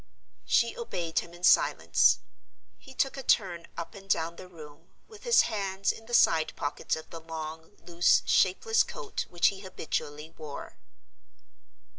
She obeyed him in silence. He took a turn up and down the room, with his hands in the side pockets of the long, loose, shapeless coat which he habitually wore.